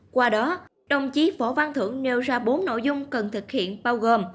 qua đó đồng chí bổ văn thượng nêu ra bốn nội dung cần thực hiện bao gồm